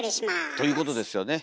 ということですよね。